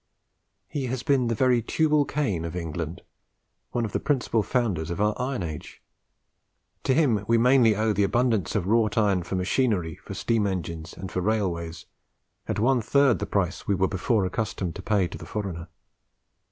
He has been the very Tubal Cain of England one of the principal founders of our iron age. To him we mainly owe the abundance of wrought iron for machinery, for steam engines, and for railways, at one third the price we were before accustomed to pay to the foreigner.